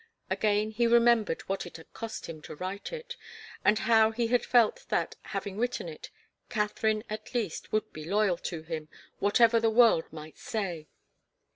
Again he remembered what it had cost him to write it, and how he had felt that, having written it, Katharine, at least, would be loyal to him, whatever the world might say.